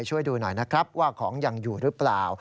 ช่วยดูหน่อยนะครับว่าของยังอยู่หรือเปล่า